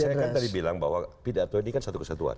saya kan tadi bilang bahwa pidato ini kan satu kesatuan